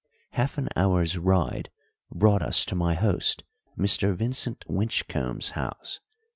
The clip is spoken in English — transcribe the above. Half an hour's ride brought us to my host Mr. Vincent Winchcombe's house.